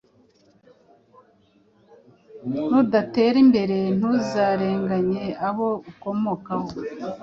Nudatera imbere ntuzarenganye abo ukomokaho